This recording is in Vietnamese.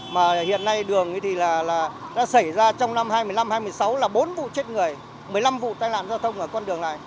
mà hiện nay đường thì đã xảy ra trong năm hai nghìn một mươi năm hai nghìn một mươi sáu là bốn vụ chết người một mươi năm vụ tai nạn giao thông ở con đường này